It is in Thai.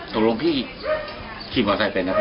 ตรงรวมพี่